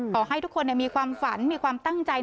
ก็ให้ทุกคนมีความฝันมีความตั้งใจนะครับ